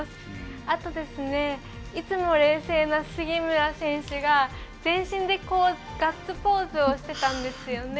あとですね、いつも冷静な杉村選手が全身でガッツポーズをしてたんですね。